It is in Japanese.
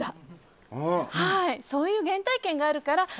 そういう原体験があるから。